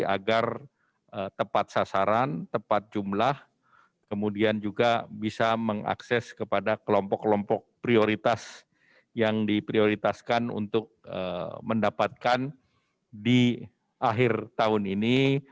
agar tepat sasaran tepat jumlah kemudian juga bisa mengakses kepada kelompok kelompok prioritas yang diprioritaskan untuk mendapatkan di akhir tahun ini